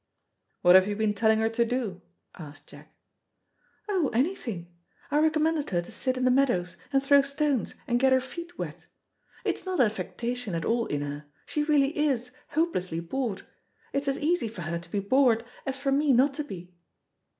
"What have you been telling her to do," asked Jack. "Oh, anything. I recommended her to sit in the meadows, and throw stones and get her feet wet. It's not affectation at all in her, she really is hopelessly bored. It's as easy for her to be bored as for me not to be.